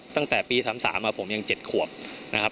ตั้งแต่ปี๓๓ผมยัง๗ขวบนะครับ